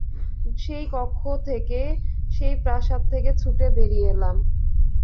সেই কক্ষ থেকে, সেই প্রাসাদ থেকে ছুটে বেরিয়ে এলাম।